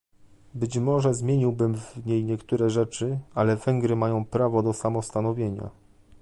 Być może zmieniłbym w niej niektóre rzeczy, ale Węgry mają prawo do samostanowienia